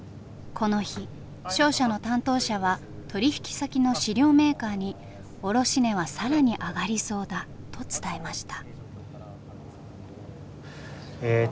この日商社の担当者は取引先の飼料メーカーに卸値は更に上がりそうだと伝えました。